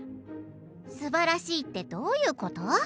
「『すばらしい』ってどういうこと？